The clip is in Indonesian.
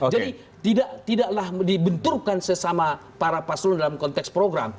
jadi tidaklah dibenturkan sesama para paslon dalam konteks program